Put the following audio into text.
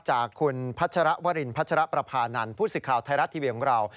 จากคุณพัชรวรินพัชรประพานันผู้สิทธิ์ข่าวไทยรัฐทีวีของเรา